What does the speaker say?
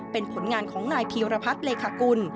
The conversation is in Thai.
เป็นผลงานของนายพีรพัฒน์เลขากุล